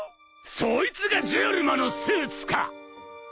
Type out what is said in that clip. そいつがジェルマのスーツか！